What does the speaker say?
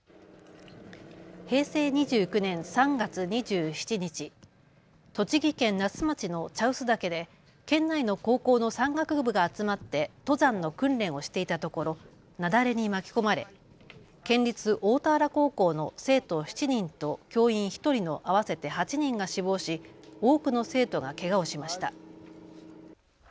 平成２９年３月２７日、栃木県那須町の茶臼岳で県内の高校の山岳部が集まって登山の訓練をしていたところ雪崩に巻き込まれ県立大田原高校の生徒７人と教員１人の合わせて８人が死亡し多くの生徒がけがをしました。